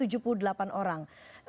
jadi tujuh puluh delapan orang